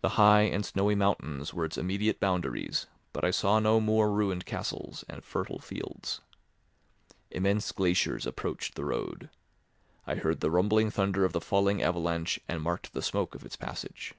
The high and snowy mountains were its immediate boundaries, but I saw no more ruined castles and fertile fields. Immense glaciers approached the road; I heard the rumbling thunder of the falling avalanche and marked the smoke of its passage.